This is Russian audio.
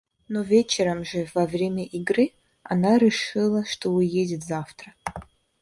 Но вечером же, во время игры, она решила, что уедет завтра.